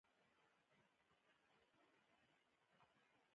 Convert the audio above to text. د غنمو لو کول په اشر کیږي.